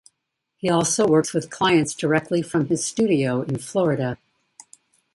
He also works with clients directly from his studio in Florida.